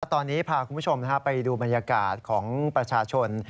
ตอนนี้พาคุณผู้ชมไปดูบรรยากาศของประชาชน